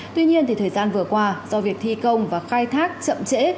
tuy nhiên thời gian vừa qua do việc thi công và khai thác chậm trễ